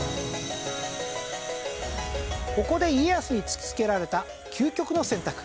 ここで家康に突きつけられた究極の選択。